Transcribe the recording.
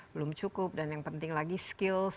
belum cukup dan yang penting lagi skills